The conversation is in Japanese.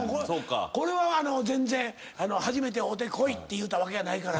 これは全然初めて会うて来いって言うたわけやないからな。